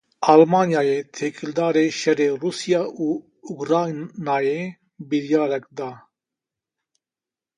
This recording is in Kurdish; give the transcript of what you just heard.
Almanyayê têkildarî şerê Rûsya û Ukraynayê biryarek da.